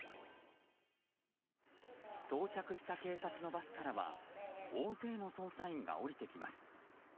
到着した警察のバスからは大勢の捜査員が降りてきます。